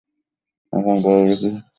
এখন বল দেখি কী স্বপ্ন দেখলে?